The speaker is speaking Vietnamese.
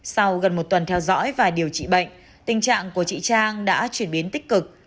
sau gần một tuần theo dõi và điều trị bệnh tình trạng của chị trang đã chuyển biến tích cực